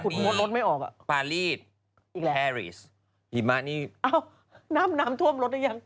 ไม่ออกเลยอ่ะรถไม่ออกอ่ะวันนี้ปาลีแฮรีสหิมะนี่อ้าวน้ำน้ำทวมรถได้ยัง